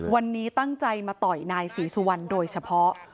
วันนี้ตั้งใจมาต่อยนายศรีสุวรรณโดยเฉพาะ